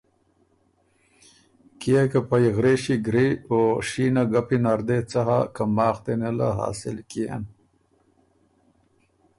کيې که پئ غرېݭی ګری او شینه ګپی نر دې څۀ هۀ که ماخ دې نېله حاصل کيېن؟